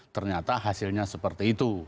ternyata hasilnya seperti itu